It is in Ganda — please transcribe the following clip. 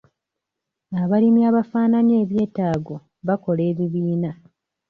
Abalimi abafaananya ebyetaago bakola ebibiina.